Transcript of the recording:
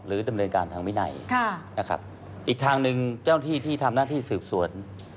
ดำเนินการทางวินัยนะครับอีกทางหนึ่งเจ้าหน้าที่ที่ทำหน้าที่สืบสวน